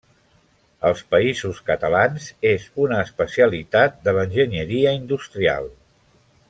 Als Països Catalans és una especialitat de l'enginyeria industrial.